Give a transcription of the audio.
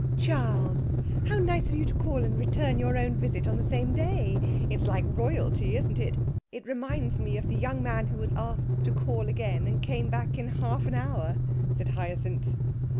'Charles, how nice of you to call and return your own visit the same day! It's like Royalty, isn't it? It reminds me of the young man who was asked to call again, and came back in half an hour,' said Hyacinth.